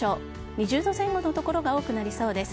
２０度前後の所が多くなりそうです。